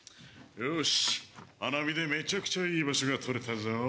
よし花見でめちゃくちゃいい場所が取れたぞ。